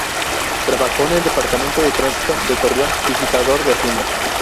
Trabajo en el departamento de Tránsito de Torreón; visitador de Hacienda.